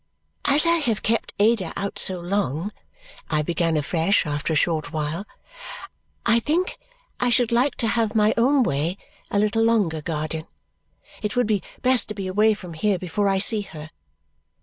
"As I have kept Ada out so long," I began afresh after a short while, "I think I should like to have my own way a little longer, guardian. It would be best to be away from here before I see her.